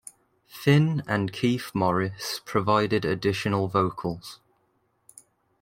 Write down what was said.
Finn and Keith Morris provided additional vocals.